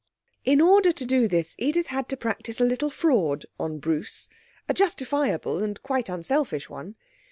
In order to do this Edith had to practise a little fraud on Bruce, a justifiable and quite unselfish one.